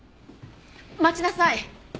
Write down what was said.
待ちなさい！